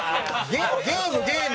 ゲームゲーム！